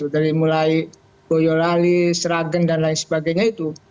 dari mulai boyolali sragen dan lain sebagainya itu